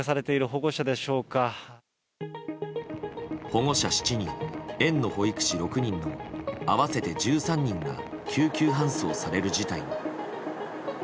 保護者７人、園の保育士６人の合わせて１３人が救急搬送される事態に。